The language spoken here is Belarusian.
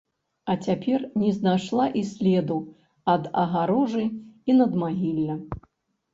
А цяпер не знайшла і следу ад агароджы і надмагілля.